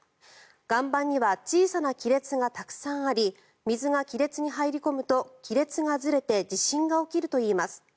岩盤には小さな亀裂がたくさんあり水が亀裂に入り込むと亀裂がずれて地震が起きるといいます。